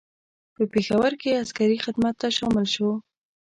په پېښور کې عسکري خدمت ته شامل شو.